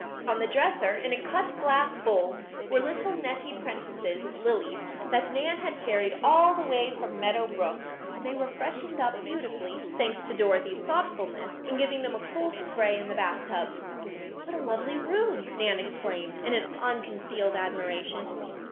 On the dresser, in a cut glass bowl, were little Nettie Prentice's lilies that Nan had carried all the way from Meadow Brook, and they were freshened up beautifully, thanks to Dorothy's thoughtfulness in giving them a cold spray in the bath tub. "What a lovely room!" Nan exclaimed, in unconcealed admiration.